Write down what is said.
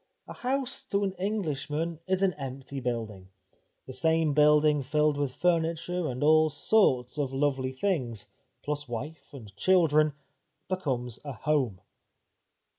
A house to an EngUsh man is an empty building. The same building filled with furniture, and all sorts of lovely things — plus wife and children — becomes a home."